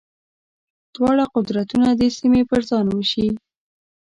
دواړه قدرتونه دې سیمې پر ځان وېشي.